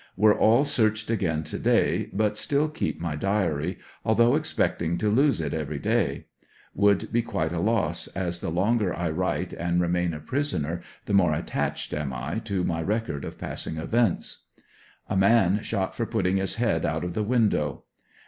Were all searched again to day but siiil keep my diary, although expecting to lose it every day; would be quite a loss, as the longer I write and remain a prisoner the more attached am I to my record of passing events. A man shot for putting his head out of the window.